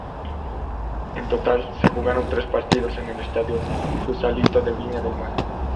En total se jugaron tres partidos, en el Estadio Sausalito de Viña del Mar.